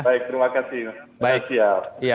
baik terima kasih